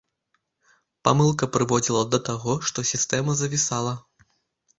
Памылка прыводзіла да таго, што сістэма завісала.